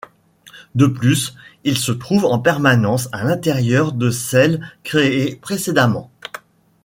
De plus, il se trouve en permanence à l'intérieur de celles créées précédemment.